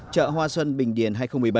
chợ hoa xuân bình điền hai nghìn một mươi bảy